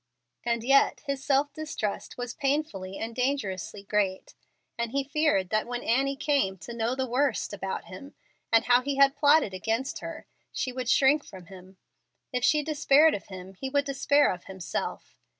And yet his self distrust was painfully and dangerously great, and he feared that when Annie came to know the worst about him, and how he had plotted against her, she would shrink from him. If she despaired of him he would despair of himself.